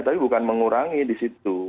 tapi bukan mengurangi di situ